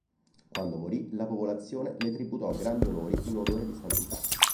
Quando morì la popolazione le tributò grandi onori in odore di santità.